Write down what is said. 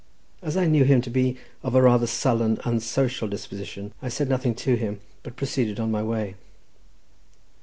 As I knew him to be of a rather sullen, unsocial disposition, I said nothing to him, but proceeded on my way.